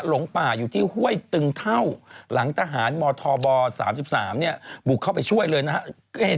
หลงป่าอยู่ที่ห้วยตึงเท่าหลังทหารมธบ๓๓เนี่ยบุกเข้าไปช่วยเลยนะครับ